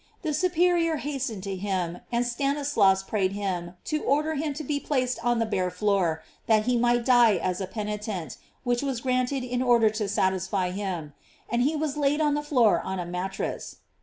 The superior hastened to him, and Stanislas prayed him to order him to be placed on the bare floor, that he might die as a penitent, which was granted in order to satisfy him, and he was laid on the floor on a mattress.